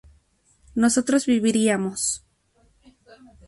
nosotros viviríamos